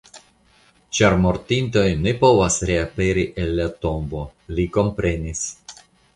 Ĉar mortintoj ne povas reaperi el la tombo, li komprenis.